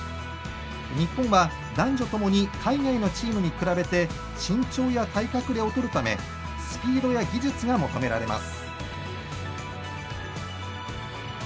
日本は男女ともに海外のチームに比べて身長や体格で劣るためスピードや技術が求められます。